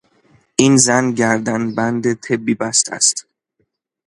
این زن گردن بند طبی بسته است..